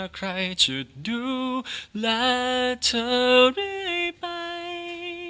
ใครจะดูแลเธอเรื่อยไป